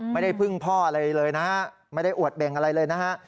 ไม่ได้พึ่งพ่ออะไรเลยนะฮะไม่ได้อวดเบ่งอะไรเลยนะฮะ